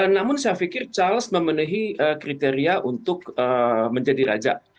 namun saya pikir charles memenuhi kriteria untuk menjadi raja